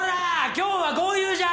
今日は豪遊じゃ！